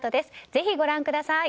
ぜひ、ご覧ください。